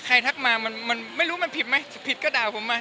ทักมามันไม่รู้มันผิดไหมผิดก็ด่าผมมา